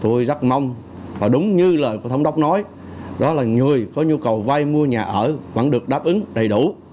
tôi rất mong và đúng như lời của thống đốc nói đó là người có nhu cầu vay mua nhà ở vẫn được đáp ứng đầy đủ